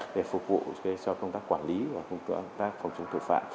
để phục vụ cho công tác quản lý và công tác phòng chống tội phạm